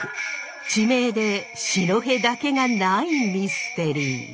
地名で四戸だけがないミステリー。